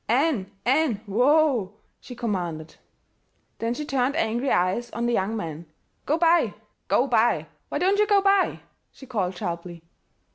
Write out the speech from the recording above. "Ann, Ann, whoa!" she commanded. Then she turned angry eyes on the young man. "Go by go by! Why don't you go by?" she called sharply.